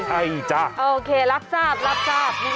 ใช่จ๊ะโอเครับทราบรับทราบยังไงคะ